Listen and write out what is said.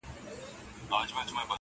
ستا د غرور حسن ځوانۍ په خـــاطــــــــر.